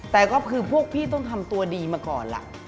แต่ก็คือพวกพี่ต้องทำตัวดีมาก่อนล่ะ